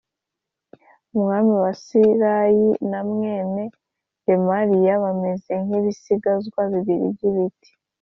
umwami wa Siriya na mwene Remaliya bameze nk ibisigazwa bibiri by ibiti